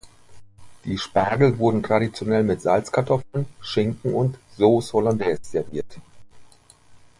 Die Spargel wurden traditionell mit Salzkartoffeln, Schinken und Sauce Hollandaise serviert.